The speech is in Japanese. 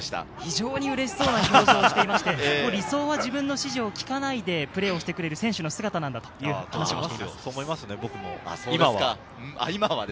非常に嬉しそうにしてまして、理想は自分の指示を聞かないでプレーをしてくれる選手の姿なんだと話していました。